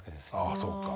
ああそうか。